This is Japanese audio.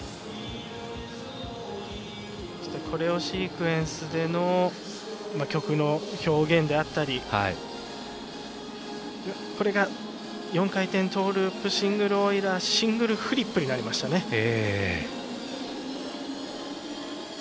そしてコレオシークエンスでの曲の表現であったりこれが４回転トウループ、シングルオイラー、シングルフリップになりましたね。